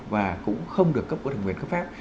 và cũng không được cấp của thường nguyện cấp phép